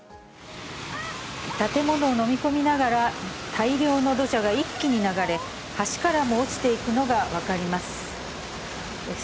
建物を飲み込みながら、大量の土砂が一気に流れ、橋からも落ちていくのが分かります。